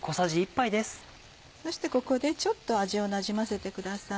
そしてここでちょっと味をなじませてください。